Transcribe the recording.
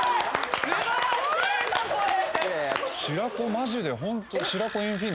素晴らしいぞこれ！